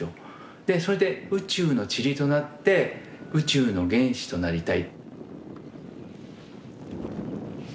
でそれで宇宙の塵となって宇宙の原子となりたい。